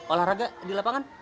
olahraga di lapangan